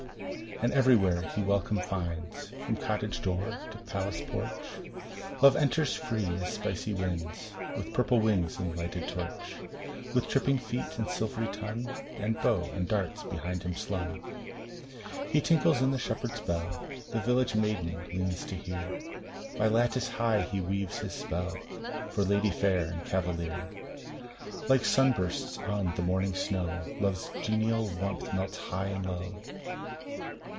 And everywhere he welcome finds, From cottage door to palace porch Love enters free as spicy winds, With purple wings and lighted torch, With tripping feet and silvery tongue, And bow and darts behind him slung. He tinkles in the shepherd s bell The village maiden leans to hear By lattice high he weaves his spell, For lady fair and cavalier : Like sun bursts on the mountain snow, Love s genial warmth melts high and low.